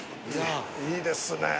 いいですね